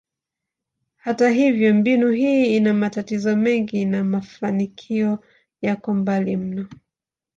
Hata hivyo, mbinu hii ina matatizo mengi na mafanikio yako mbali mno.